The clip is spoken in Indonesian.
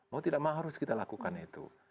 mau tidak mau harus kita lakukan itu